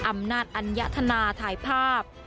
อำนาจอัญญธนาถ่ายภาพ